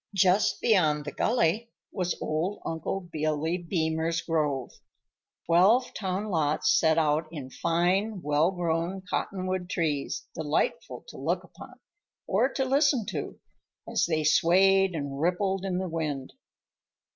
Just beyond the gully was old Uncle Billy Beemer's grove,—twelve town lots set out in fine, well grown cottonwood trees, delightful to look upon, or to listen to, as they swayed and rippled in the wind.